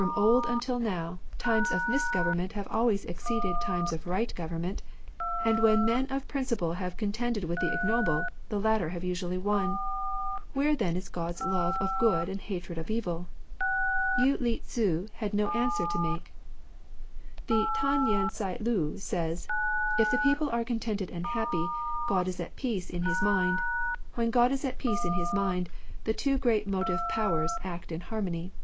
From of old until now, times of misgovemment have always exceeded times of right government ; and when men of principle have contended with the ignoble, the latter have usually won. Where then is God's love of good and hatred of evil ?" Yii Li Tzu had no answer to make. The Tan yen tea lu says, " If the people are contented and happy, God is at peace in His mind. When God is at peace in His mind, the two great motive Powers act in harmony."